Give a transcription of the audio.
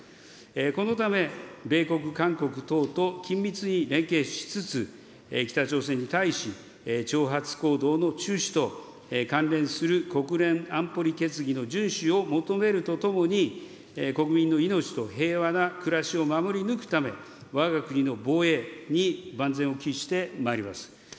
このため、米国、韓国等と緊密に連携しつつ、北朝鮮に対し、挑発行動の中止と、関連する国連安保理決議の順守を求めるとともに、国民の命と平和な暮らしを守り抜くため、わが国の防衛に万全を期してまいります。